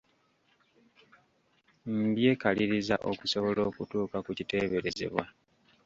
Mbyekaliriza okusobola okutuuka ku kiteeberezebwa.